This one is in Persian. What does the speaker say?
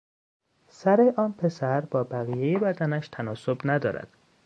سر آن پسر با بقیهی بدنش تناسب ندارد.